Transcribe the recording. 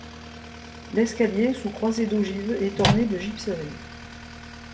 L’escalier, sous croisées d’ogives, est orné de gypseries.